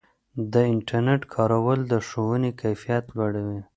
د انټرنیټ کارول د ښوونې کیفیت لوړوي.